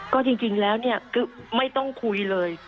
ก็จริงแล้วเนี่ยไม่ต้องคุยเลย